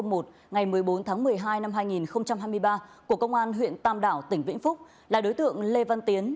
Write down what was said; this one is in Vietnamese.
ngày một mươi bốn tháng một mươi hai năm hai nghìn hai mươi ba của công an huyện tam đảo tỉnh vĩnh phúc là đối tượng lê văn tiến